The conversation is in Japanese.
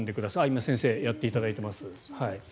今、先生にやっていただいています。